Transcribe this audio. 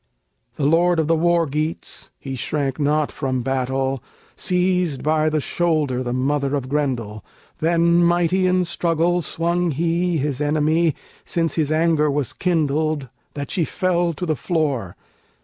The lord of the War Geats (He shrank not from battle) seized by the shoulder The mother of Grendel; then mighty in struggle Swung he his enemy, since his anger was kindled, That she fell to the floor.